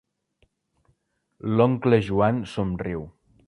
L'oncle Joan somriu.